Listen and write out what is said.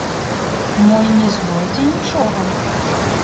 Мо й не знойдзе нічога?